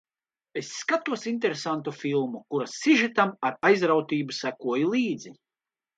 Es skatos interesantu filmu, kuras sižetam ar aizrautību sekoju līdzi.